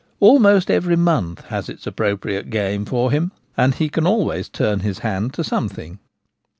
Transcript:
Almost every month has its appropriate game for him, and he can always turn his hand to something.